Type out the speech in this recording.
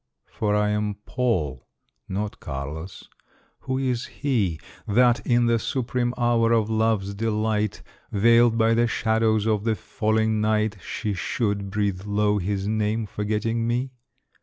For I am Paul not Carlos! Who is he That, in the supreme hour of love's delight, Veiled by the shadows of the falling night, She should breathe low his name, forgetting me?